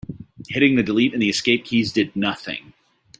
Hitting the delete and escape keys did nothing.